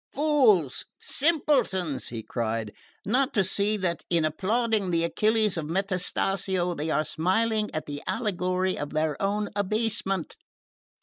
"Fools! simpletons!" he cried, "not to see that in applauding the Achilles of Metastasio they are smiling at the allegory of their own abasement!